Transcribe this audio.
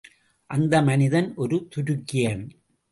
அந்த மனிதன் ஒரு துருக்கியன்.